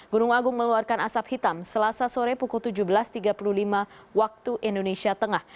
gunung agung meluarkan asap hitam selasa sore pukul tujuh belas tiga puluh lima waktu indonesia tengah